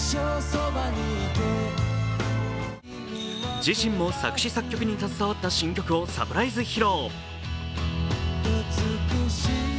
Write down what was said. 自身も作詞・作曲に携わった新曲をサプライズ披露。